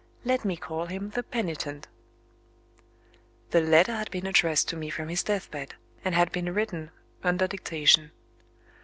let me call him the Penitent. The letter had been addressed to me from his deathbed, and had been written under dictation.